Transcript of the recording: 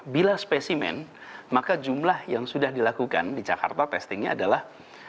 bila spesimen maka jumlah yang sudah dilakukan di jakarta testingnya adalah empat ratus dua puluh dua